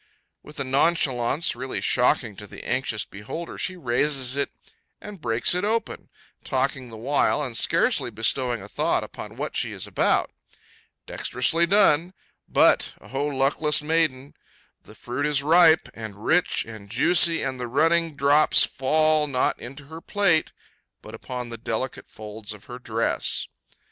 With a nonchalance really shocking to the anxious beholder, she raises it, and breaks it open, talking the while, and scarcely bestowing a thought upon what she is about. Dexterously done; but—O luckless maiden!—the fruit is ripe, and rich, and juicy, and the running drops fall, not into her plate, but upon the delicate folds of her dress.